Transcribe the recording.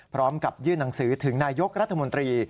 พร้อมกับยื่นหนังสือถึงนายกรัฐมนตรี